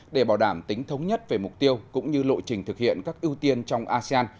để bảo đảm tính thống nhất về mục tiêu cũng như lộ trình thực hiện các ưu tiên trong asean